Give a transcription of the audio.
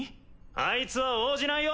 あいつは応じないよ。